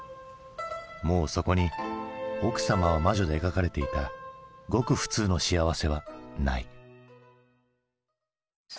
もうそこに「奥さまは魔女」で描かれていたごく普通の幸せはない。